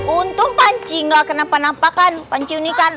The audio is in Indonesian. untung panci nggak kenapa napakan panci ini kan